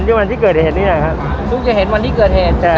ที่วันที่เกิดเห็นนี่นะครับเพิ่งจะเห็นวันที่เกิดเหตุใช่